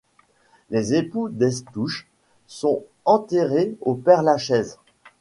Les époux Destouches sont enterrés au Père-Lachaise.